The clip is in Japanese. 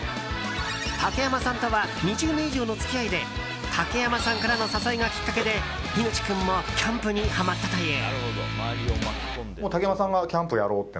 竹山さんとは２０年以上の付き合いで竹山さんからの誘いがきっかけでひぐち君も、キャンプにハマったという。